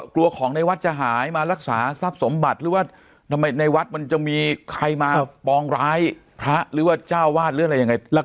กลัวของในวัดจะหายมารักษาทรัพย์สมบัติหรือว่าทำไมในวัดมันจะมีใครมาปองร้ายพระหรือว่าเจ้าวาดหรืออะไรยังไง